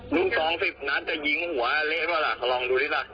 ลูกสองสิบนัดจะยิงหัวเละป่าล่ะลองดูดิล่ะ